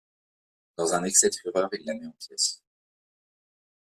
Dans un excès de fureur, il la met en pièces.